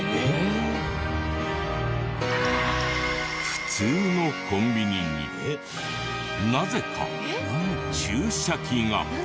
普通のコンビニになぜか注射器が。